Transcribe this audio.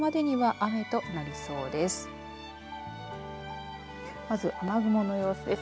雨雲の様子です。